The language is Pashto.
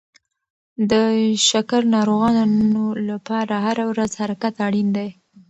د شکر ناروغانو لپاره هره ورځ حرکت اړین دی.